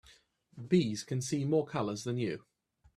Bees can see more colors than you.